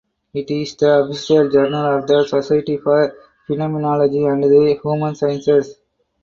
It is the official journal of the Society for Phenomenology and the Human Sciences.